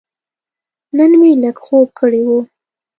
نن مې لږ خوب کړی و.